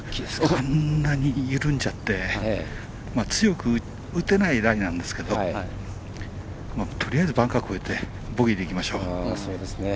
こんなに緩んじゃって強く打てないライなんですけどとりあえずバンカー越えてボギーでいきましょう。